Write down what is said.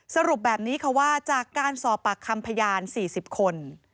สรุปแบบนี้ค่ะว่าจากการสอบปากคำพยาน๔๐คน